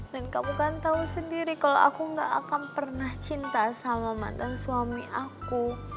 dan kamu kan tau sendiri kalo aku gak akan pernah cinta sama mantan suami aku